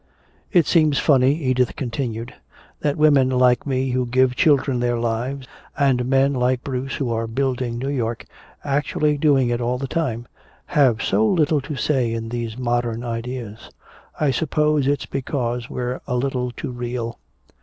"It seems funny," Edith continued, "that women like me who give children their lives, and men like Bruce who are building New York actually doing it all the time have so little to say in these modern ideas. I suppose it's because we're a little too real."